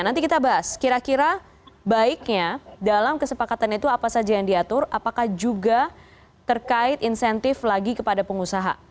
nanti kita bahas kira kira baiknya dalam kesepakatan itu apa saja yang diatur apakah juga terkait insentif lagi kepada pengusaha